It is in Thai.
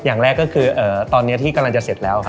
อย่างแรกก็คือตอนนี้ที่กำลังจะเสร็จแล้ว